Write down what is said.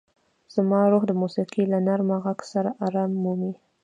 زما روح د موسیقۍ له نرم غږ سره ارام مومي.